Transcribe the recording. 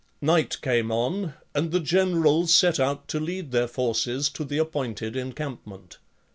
Night came on, and the generals set out, to lead their forces to the appointed encampment.